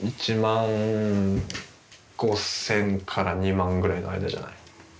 １万５千から２万ぐらいの間じゃない？